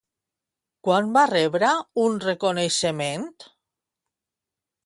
Quan va rebre un reconeixement?